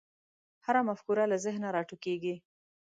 هره مفکوره له ذهنه راټوکېږي.